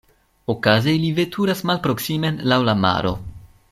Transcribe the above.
Okaze ili veturas malproksimen laŭ la maro.